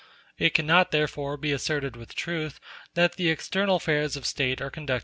It cannot therefore be asserted with truth that the external affairs of State are conducted by the democracy.